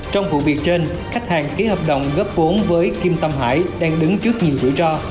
trong vụ việc trên khách hàng ký hợp đồng góp vốn với kim tâm hải đang đứng trước nhiều rủi ro